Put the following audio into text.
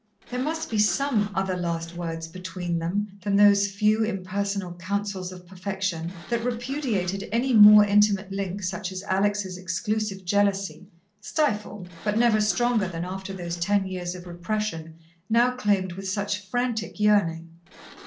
There must be some other last words between them than those few impersonal counsels of perfection, that repudiated any more intimate link such as Alex' exclusive jealousy, stifled, but never stronger than after those ten years of repression, now claimed with such frantic yearning.